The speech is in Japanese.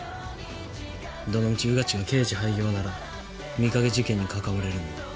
どのみち穿地が刑事廃業なら美影事件に関われるのは。